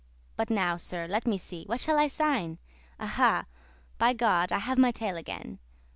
] <25> But now, sir, let me see, what shall I sayn? Aha! by God, I have my tale again.